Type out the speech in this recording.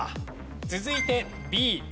続いてＢ。